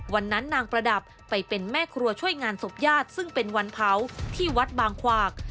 วันนั้นนางประดับไปเป็นแม่ครัวช่วยงานศพญาติซึ่งเป็นวันเผาที่วัดบางขวาก